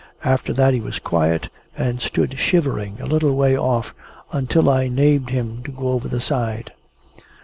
After that he was quiet, and stood shivering a little way off, until I named him to go over the side.